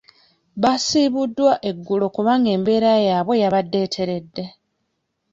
Baasiibuddwa eggulo kubanga embeera yaabwe yabadde etteredde.